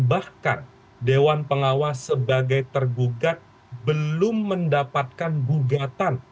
bahkan dewan pengawas sebagai tergugat belum mendapatkan gugatan